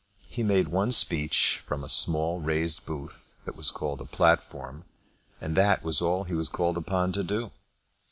He made one speech from a small raised booth that was called a platform, and that was all that he was called upon to do.